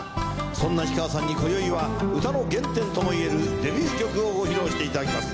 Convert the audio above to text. そんな氷川さんにこよいは歌の原点ともいえるデビュー曲をご披露していただきます。